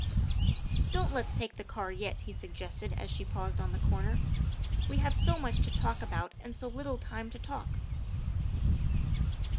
" Don't let's take the car yet," he suggested as she paused on the corner, " we have so much to talk about and so little time to talk."